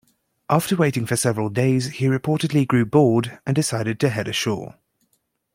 After waiting for several days, he reportedly grew bored and decided to head ashore.